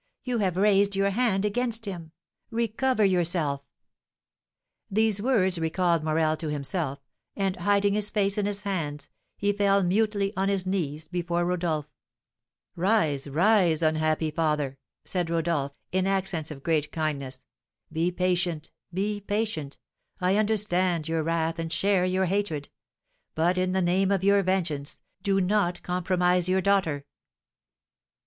You have raised your hand against him, recover yourself." These words recalled Morel to himself, and hiding his face in his hands, he fell mutely on his knees before Rodolph. [Illustration: Morel fell back on the stool. Original Etching by Adrian Marcel.] "Rise, rise, unhappy father," said Rodolph, in accents of great kindness; "be patient, be patient, I understand your wrath and share your hatred; but, in the name of your vengeance, do not compromise your daughter!"